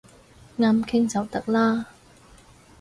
啱傾就得啦